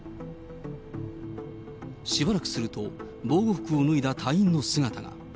しばらくすると、防護服を脱いだ隊員の姿が。